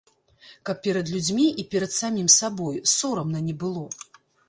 Каб перад людзьмі і перад самім сабой сорамна не было.